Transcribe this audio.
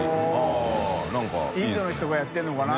インドの人がやってるのかな？